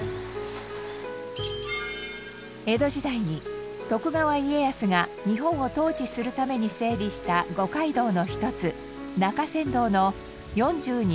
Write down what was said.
江戸時代に徳川家康が日本を統治するために整備した五街道の一つ中山道の４２番目の宿場町。